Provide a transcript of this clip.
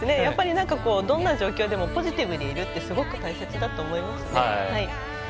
やっぱり、どんな状況でもポジティブでいるってすごく大切だと思います。